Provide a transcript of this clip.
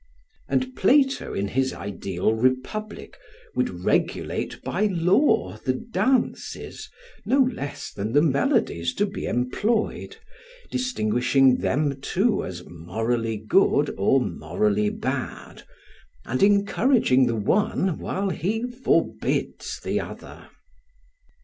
And Plato in his ideal republic would regulate by law the dances no less than the melodies to be employed, distinguishing them too as morally good or morally bad, and encouraging the one while he forbids the other.